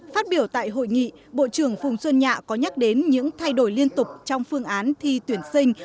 phát biểu tại hội nghị bộ trưởng phùng xuân nhạ có nhắc đến những thay đổi liên tục trong phương án thi tuyển sinh